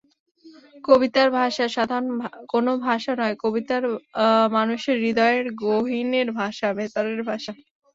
কবিতার ভাষা সাধারণ কোনো ভাষা নয়, কবিতা মানুষের হৃদয়ের গহিনের ভাষা, ভেতরের ভাষা।